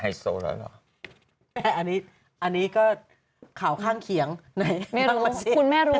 ไฮโซเราเกิดอันนี้อันนี้ก็ข่าวข้างเขียงไม่รู้คุณแม่รู้